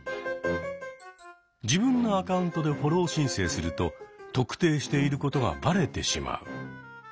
自分のアカウントでフォロー申請すると「特定」していることがバレてしまう。